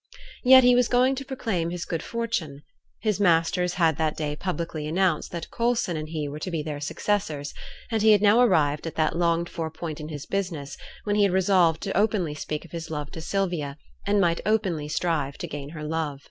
Yet he was going to proclaim his good fortune. His masters had that day publicly announced that Coulson and he were to be their successors, and he had now arrived at that longed for point in his business, when he had resolved to openly speak of his love to Sylvia, and might openly strive to gain her love.